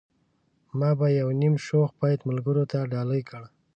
ما به يو نيم شوخ بيت ملګرو ته ډالۍ کړ.